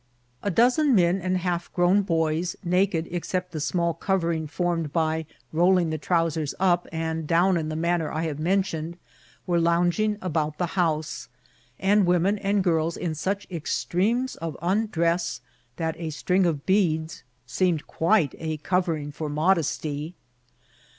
A dozen men and half grown boys, naked except the small covering formed by rolling the trousers up and down in the manner I have mentioned, were lounging about the house; and women and girls in such extremes of undress, that a string of beads seem* ed quite a covering for modesty.